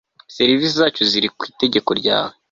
Serivisi zacu ziri ku itegeko ryawe